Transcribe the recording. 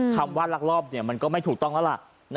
คำว่าลักลอบมันก็ไม่ถูกต้องแล้วล่ะ